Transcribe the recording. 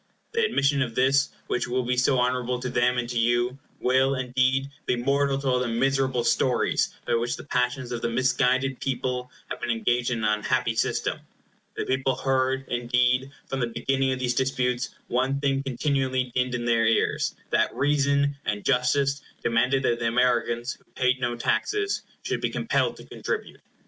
The admission of this, which will be so honorable to them and to you, will, indeed, be mortal to all the miserable stories by which the passions of the misguided people have been engaged in an unhappy system. The people heard, indeed, from the beginning of these disputes, one thing continually dinned in their ears, that reason and justice demanded that the Americans, who paid no taxes, should be compelled to contribute.